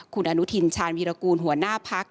คุณอนุทินชาญวีรกูลหัวหน้าพัก